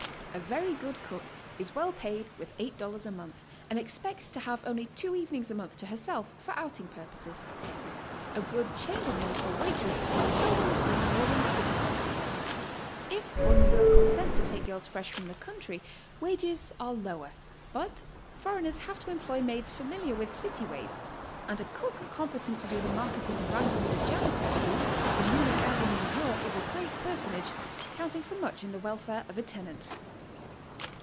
A very good cook is well paid with $8 a month, and expects to have only two evenings a month to herself for outing purposes. A good chamber maid or waitress seldom receives more than $6 a month. If one will consent to take girls fresh from the country, wages are lower, but foreigners have to employ maids familiar with city ways, and a cook competent to do the marketing and wrangle with the janitor, who, in Munich as in New York, is 154 GOING ABROAD? a great personage, counting for much in the welfare of a tenant.